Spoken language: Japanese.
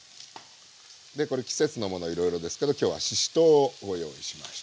でこれ季節のものいろいろですけど今日はししとうをご用意しました。